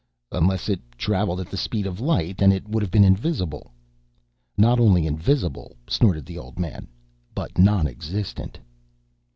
"Unless it traveled at the speed of light. Then it would have been invisible." "Not only invisible," snorted the old man, "but non existent."